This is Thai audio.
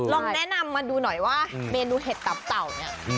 ลองแนะนำมาดูหน่อยว่าเมนูเห็ดตับเต่าเนี่ย